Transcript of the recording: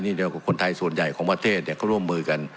เดียวกับคนไทยส่วนใหญ่ของประเทศเขาร่วมมือกัน